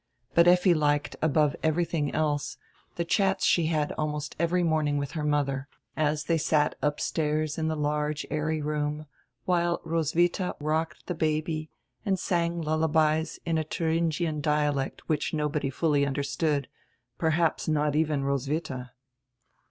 But Effi liked above everything else die chats she had almost every morning widi her mother, as tiiey sat upstairs in die large airy room, while Roswitha rocked die baby and sang lullabies in a Thuringian dialect which nobody fully understood, perhaps not even Roswitha.